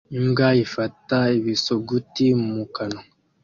Imbwa ifata ibisuguti mu kanwa